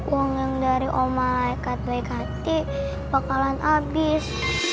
uang yang dari om malaikat baik hati bakalan habis